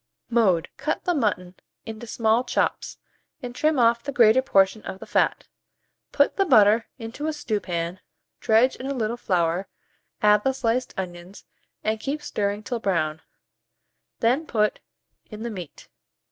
Mode. Cut the mutton into small chops, and trim off the greater portion of the fat; put the butter into a stewpan, dredge in a little flour, add the sliced onions, and keep stirring till brown; then put in the meat.